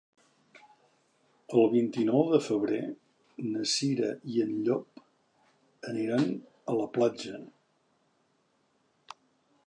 El vint-i-nou de febrer na Cira i en Llop aniran a la platja.